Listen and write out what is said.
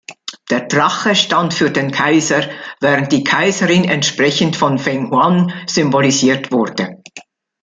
Der Drache stand für den Kaiser, während die Kaiserin entsprechend vom Fenghuang symbolisiert wurde.